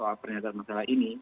soal pernyataan masalah ini